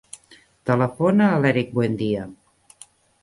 Telefona a l'Erik Buendia.